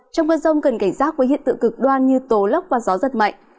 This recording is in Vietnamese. trong cơn rông cần cảnh giác với hiện tượng cực đoan như tố lốc và gió giật mạnh